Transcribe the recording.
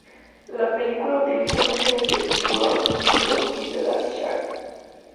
La película utiliza imágenes de "Tiburón", "Deep Blood" y "The Last Shark".